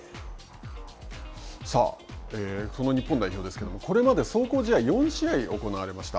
さあ、その日本代表ですけれども、これまで壮行試合４試合行われました。